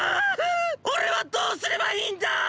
俺はどうすればいいんだ！